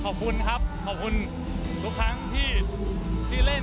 ขอบคุณครับขอบคุณทุกครั้งที่ชื่อเล่น